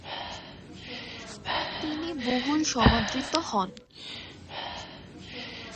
তিনি বহুল সমাদৃত হন।